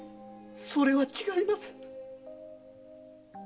それは違います。